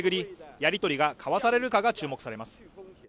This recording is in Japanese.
やり取りが交わされるかが注目されます